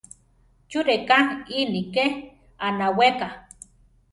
¿Chú rʼeká iʼní ké anaweka?